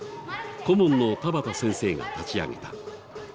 顧問の田畑先生が立ち上げた。